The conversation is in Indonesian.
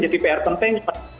jadi pr penting